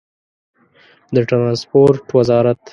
د ټرانسپورټ وزارت